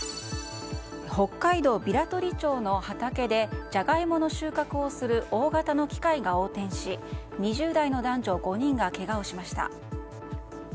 北海道平取町の畑でジャガイモの収穫をする大型の機械が横転し２０代の男女５人がけがをしました。